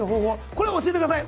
これを教えてください